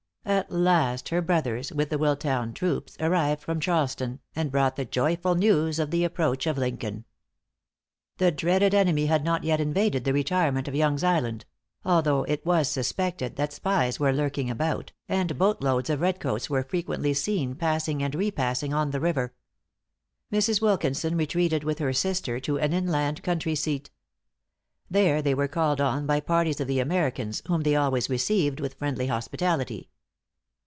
At last her brothers, with the Willtown troops, arrived from Charleston, and brought the joyful news of the approach of Lincoln. The dreaded enemy had not yet invaded the retirement of Yonge's Island; although it was suspected that spies were lurking about, and boatloads of redcoats were frequently seen passing and re passing on the river. Mrs. Wilkinson retreated with her sister to an inland country seat. There they were called on by parties of the Americans, whom they always received with friendly hospitality.